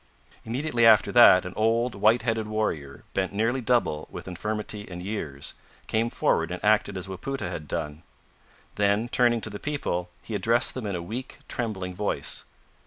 Immediately after that, an old, white headed warrior, bent nearly double with infirmity and years, came forward and acted as Wapoota had done. Then, turning to the people, he addressed them in a weak, trembling voice.